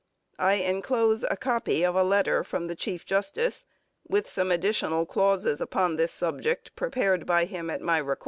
I inclose a copy of a letter from the Chief Justice, with some additional clauses upon this subject prepared by him at my request.